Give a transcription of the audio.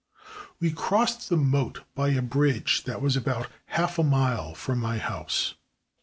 We crossed the moat by a bridge that was about half a mile from my house.